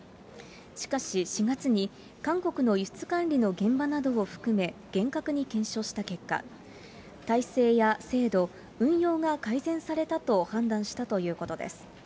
しかし４月に、韓国の輸出管理の現場などを含め、厳格に検証した結果、体制や制度、運用が改善されたと判断したということです。